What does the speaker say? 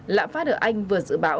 lạm phát ở anh vượt dự báo